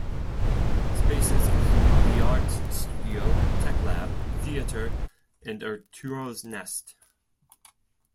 Spaces include the Art Studio, Tech Lab, Theater, and Arturo's Nest.